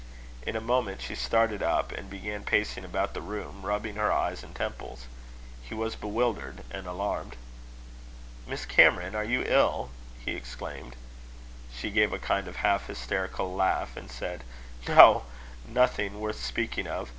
In a moment she started up, and began pacing about the room, rubbing her eyes and temples. He was bewildered and alarmed. "Miss Cameron, are you ill?" he exclaimed. She gave a kind of half hysterical laugh, and said: "No nothing worth speaking of.